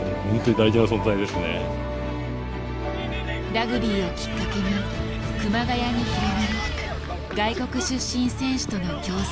ラクビーをきっかけに熊谷に広がる外国出身選手との共生。